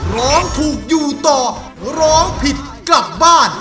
ร้องถูกอยู่ต่อร้องผิดกลับบ้าน